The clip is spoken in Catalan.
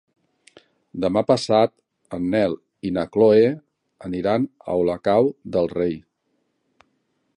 Demà passat en Nel i na Chloé aniran a Olocau del Rei.